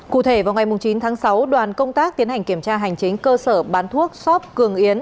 cụ thể vào ngày chín tháng sáu đoàn công tác tiến hành kiểm tra hành chính cơ sở bán thuốc shop cường yến